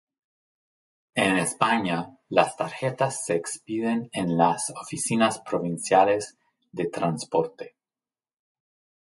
En España, las tarjetas se expiden en las oficinas provinciales de transporte.